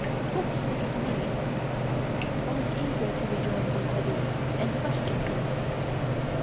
What did it mean? I was eager to rejoin Rouletabille and question him.